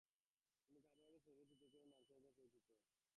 তিনি carbohydrate cellulose পৃথকীকরণ ও নামকরণের জন্যও পরিচিত।